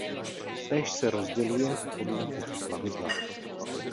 Též se rozděluje podle typu plavidla.